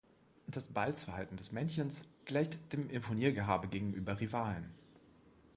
Das Balzverhalten des Männchens gleicht dem Imponiergehabe gegenüber Rivalen.